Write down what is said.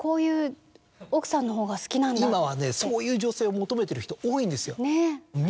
今はねそういう女性を求めてる人多いんですよ。